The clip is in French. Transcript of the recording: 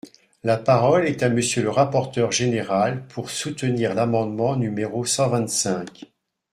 La parole est à Monsieur le rapporteur général, pour soutenir l’amendement numéro cent vingt-cinq.